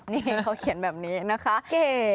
นี่เขาเขียนแบบนี้นะคะ